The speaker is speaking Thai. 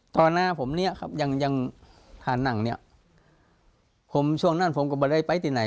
ตอนนั้นผมอย่างทานลงตอนนั้นผมไม่ได้ไปรู้ไง